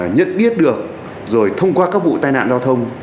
nhận biết được rồi thông qua các vụ tai nạn giao thông